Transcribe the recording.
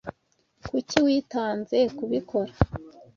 Kuki witanze kubikora?